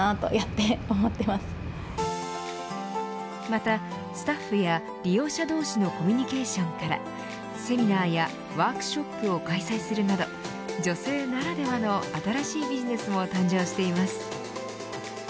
またスタッフや利用者同士のコミュニケーションからセミナーやワークショップを開催するなど女性ならではの新しいビジネスも誕生しています。